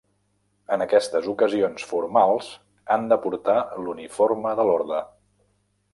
En aquestes ocasions formals han de portar l'uniforme de l'Orde.